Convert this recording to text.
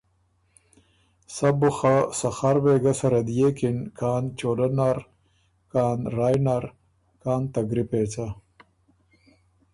سَۀ بو خه سخر وېګۀ سَرَه دئېکِن، کان چولۀ نر، کان رایٛ نر، کان ته ګری پېڅه